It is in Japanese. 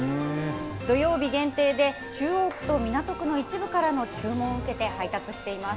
土曜日限定で、中央区と港区の一部からの注文を受けて配達しています。